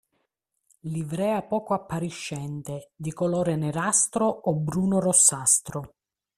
Livrea poco appariscente, di colore nerastro o bruno-rossastro.